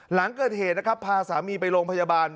หลังเกิดเหตุนะครับพาสามีไปโรงพยาบาล